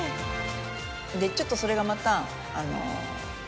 でちょっとそれがまた。